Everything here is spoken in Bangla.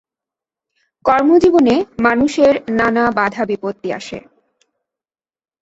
কর্মজীবনে মানুষের নানা বাধাবিপত্তি আসে।